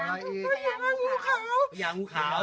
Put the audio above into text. ทำบุญที่แต่วงนี่มันยังไง